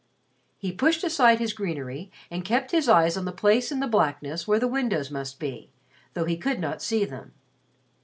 He pushed aside his greenery and kept his eyes on the place in the blackness where the windows must be, though he could not see them.